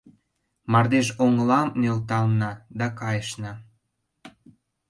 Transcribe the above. Мардежоҥлам нӧлтална да кайышна.